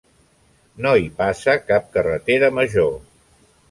No hi passa cap carretera major.